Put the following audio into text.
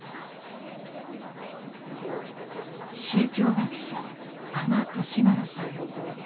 宗教学者阿満利麿さん。